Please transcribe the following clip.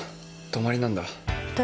泊まりなんだ。